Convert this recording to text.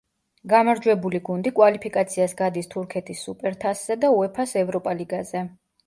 გამარჯვებული გუნდი კვალიფიკაციას გადის თურქეთის სუპერთასზე და უეფა-ს ევროპა ლიგაზე.